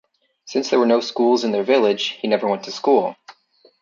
Since there were no schools in their village he never went to school.